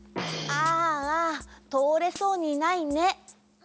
ああとおれそうにないね。